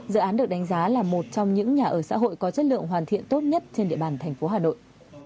dự án được đánh giá là một trong những nhà ở xã hội có chất lượng hoàn thiện tốt nhất trên địa bàn thành phố hà nội